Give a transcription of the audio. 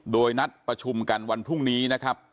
โดยนัดประชุมกันวันพรุ่งนี้นะครับ